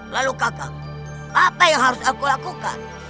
lalu kakak apa yang harus aku lakukan